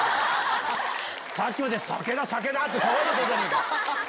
さっきまで酒だ酒だって騒いでたじゃないか。